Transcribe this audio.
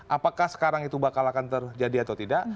apakah sekarang itu bakal akan terjadi atau tidak